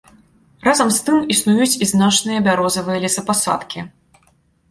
Разам з тым існуюць і значныя бярозавыя лесапасадкі.